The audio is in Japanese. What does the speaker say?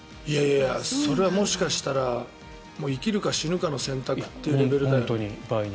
それはもしかしたら生きるか死ぬかの選択というレベルだよ。